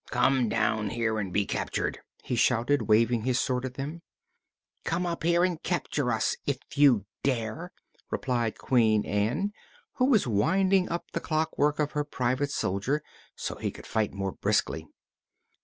"Come down here and be captured!" he shouted, waving his sword at them. "Come up here and capture us if you dare!" replied Queen Ann, who was winding up the clockwork of her Private Soldier, so he could fight more briskly.